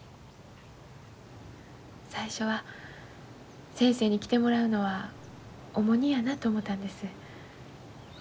最初は先生に来てもらうのは重荷やなと思たんです。